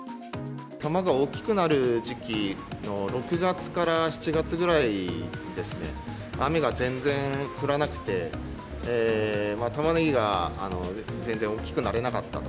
玉が大きくなる時期の６月から７月ぐらいですね、雨が全然降らなくて、タマネギが全然大きくなれなかったと。